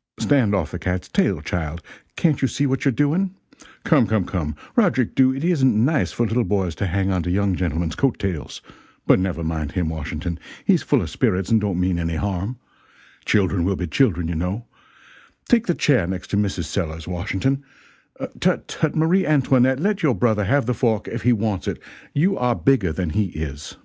] stand off the cat's tail, child, can't you see what you're doing? Come, come, come, Roderick Dhu, it isn't nice for little boys to hang onto young gentlemen's coat tails but never mind him, Washington, he's full of spirits and don't mean any harm. Children will be children, you know. Take the chair next to Mrs. Sellers, Washington tut, tut, Marie Antoinette, let your brother have the fork if he wants it, you are bigger than he is."